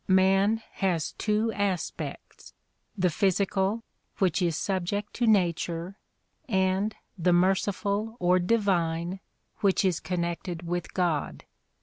Man has two aspects — the physical which is subject to nature, and the merciful or divine which is connected with God.